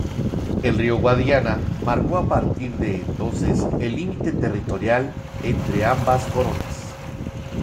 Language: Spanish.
El río Guadiana marcó a partir de entonces el límite territorial entre ambas coronas.